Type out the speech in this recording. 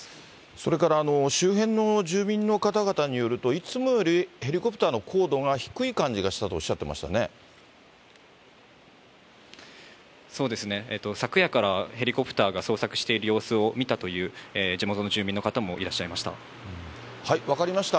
それから周辺の住民の方々によると、いつもよりヘリコプターの高度が低い感じがしたとおっしゃってまそうですね、昨夜からヘリコプターが捜索している様子を見たという地元の住民分かりました。